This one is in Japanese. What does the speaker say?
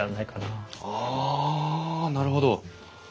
ああなるほど。